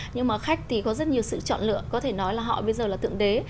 nhưng mà khách thì có rất nhiều sự chọn lựa có thể nói là họ bây giờ là tượng đế